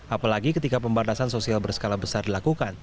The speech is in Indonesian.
apalagi ketika pembatasan sosial berskala besar dilakukan